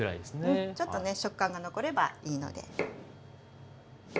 うんちょっとね食感が残ればいいので。